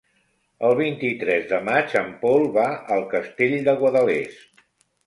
El vint-i-tres de maig en Pol va al Castell de Guadalest.